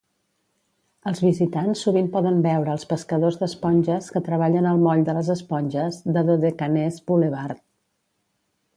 Els visitants sovint poden veure els pescadors d'esponges que treballen al moll de les esponges de Dodecanese Boulevard.